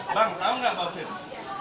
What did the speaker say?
bang tahu nggak bauksit